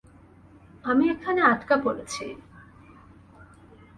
আমি এখানে আটকা পড়েছি।